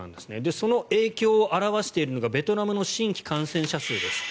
その影響を表しているのがベトナムの新規感染者数です。